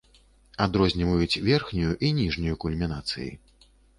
Адрозніваюць верхнюю і ніжнюю кульмінацыі.